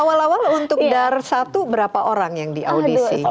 awal awal untuk dar satu berapa orang yang diaudisi